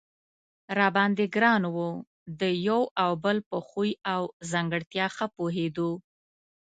را باندې ګران و، د یو او بل په خوی او ځانګړتیا ښه پوهېدو.